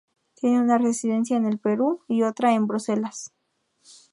Tiene una residencia en el Perú y otra en Bruselas.